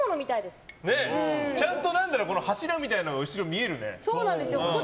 ちゃんと柱みたいなのが後ろ、見えるね。